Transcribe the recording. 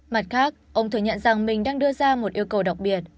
mặt khác ông thừa nhận rằng mình đang đưa ra một yêu cầu đặc biệt